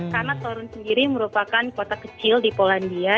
karena torun sendiri merupakan kota kecil di polandia